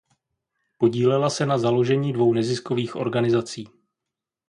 Podílela se na založení dvou neziskových organizací.